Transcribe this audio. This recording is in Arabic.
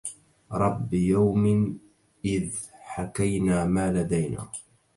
رب يومٍ إذ حكينا ما لدينا